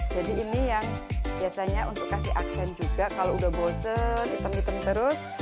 jadi ini yang biasanya untuk kasih aksen juga kalau sudah bosen hitam hitam terus